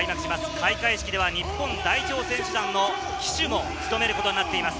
開会式では日本代表選手団の旗手を務めることになっています